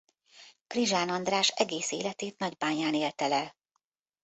Krizsán András egész életét Nagybányán élte le.